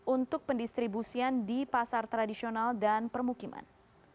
untuk pendistribusian di pasar tradisional dan permukiman